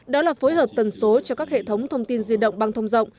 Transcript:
đó là phối hợp tần số cho các hệ thống thông tin di động băng thông rộng